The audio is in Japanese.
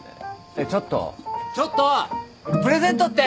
ちょっとちょっとプレゼントって！？